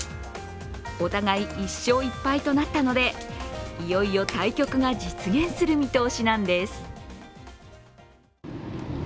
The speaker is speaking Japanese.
お互い１勝１敗となったのでいよいよ対局が実現する見通しなんです。